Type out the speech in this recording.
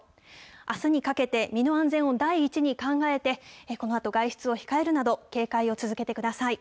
あすにかけて、身の安全を第一に考えて、このあと外出を控えるなど、警戒を続けてください。